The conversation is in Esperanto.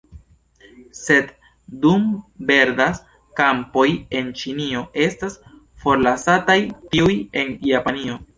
Sed, dum verdas kampoj en Ĉinio, estas forlasataj tiuj en Japanio.